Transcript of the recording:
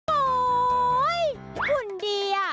โอ๊ยหุ่นดีอะ